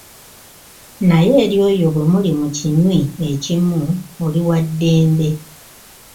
Naye eri oyo bwe muli mu kinywi ekimu oli waddembe.